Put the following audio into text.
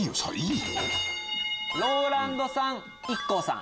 ＲＯＬＡＮＤさんＩＫＫＯさん。